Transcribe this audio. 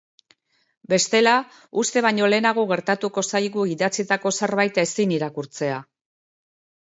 Bestela, uste baino lehenago gertatuko zaigu idatzitako zerbait ezin irakurtzea.